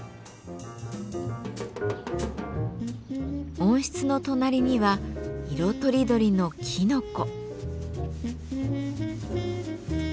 温室の隣には色とりどりのきのこ。